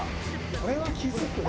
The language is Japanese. これは気付くね。